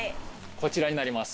こちらになります。